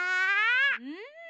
うん。